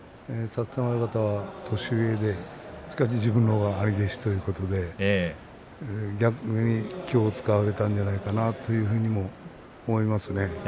立田山親方は年上でしかし自分のほうが兄弟子ということで逆に気を遣われたんじゃないかなというふうにも思いますね。